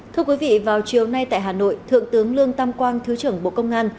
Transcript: thưa quý vị vào chiều nay tại hà nội thượng tướng lương tam quang thứ trưởng bộ công an